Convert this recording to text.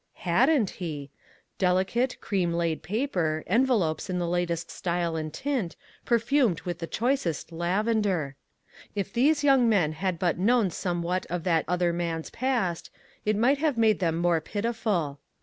Hadn't he ! Delicate, cream laid paper, en velopes in the latest style and tint, perfumed with the choicest lavender! "LABORERS TOGETHER." 23! If these young men had but known some what of that other man's past, it might have made them more pitiful.